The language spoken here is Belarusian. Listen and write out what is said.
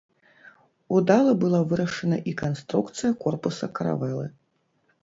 Удала была вырашана і канструкцыя корпуса каравелы.